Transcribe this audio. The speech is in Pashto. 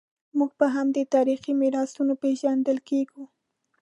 موږ په همدې تاریخي میراثونو پېژندل کېږو.